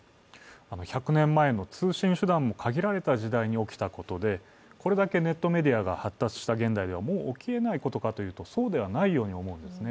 １００年前の通信手段も限られたときに起きたことで、これだけネットメディアが発達した現代ではもう起きえないかというと、そうではないように思うんですね。